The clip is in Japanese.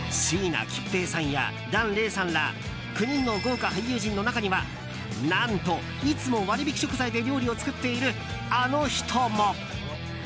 椎名桔平さんや檀れいさんら９人の豪華俳優陣の中には何と、いつも割引食材で料理を食っているあの人も。